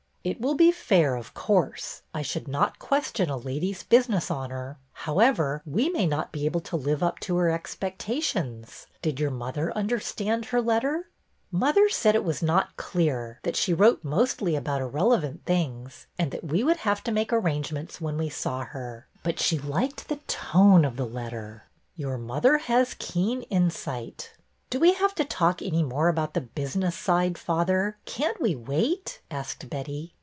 " It will be fair, of course. I should not ques tion a lady's business honor. However, we may not be able to live up to her expectations. Did your mother understand her letter?" " Mother said it was not clear, that she wrote mostly about irrelevant things, and that we would IN THE STUDY 265 Iiave to make arrangements when we saw her; but she liked the tone of the letter/' Your mother has keen insight." '' Do we have to talk any more about the business side, father? Can't we wait?" asked Betty.